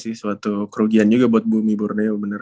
suatu kerugian juga buat bumi borneo